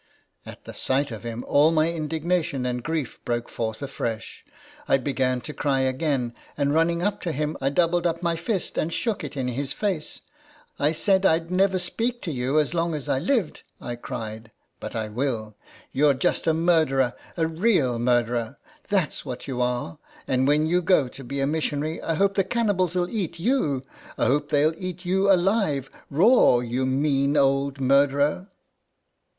At the sight of him all my indigna tion and grief broke forth afresh. I began to cry again ; and running up to him, I doubled up my fist and shook it in his face. " I said I 'd never speak to you as long as I lived," I cried ;" but I will. You 're just a murderer, a real murderer ; that 's what you are! and when you go to be a missionary, I hope the cannibals '11 eat you ! I hope they '11 eat you alive raw, you mean old murderer!"